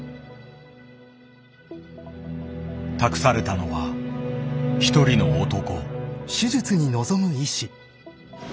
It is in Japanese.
託されたのは一人の男。